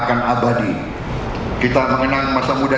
saya berterima kasih kepada anda